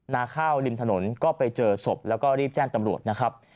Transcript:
นาข้าวริมถนนก็ไปเจอศพแล้วก็รีบแจ้งตำรวจนะครับ